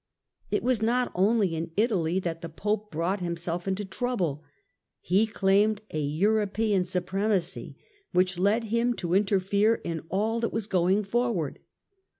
It was not only in Italy that the Pope brought himself into trouble ; he claimed a Euro pean supremacy, which led him to interfere in all that was going forward.